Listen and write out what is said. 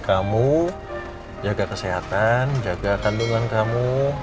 kamu jaga kesehatan jaga kandungan kamu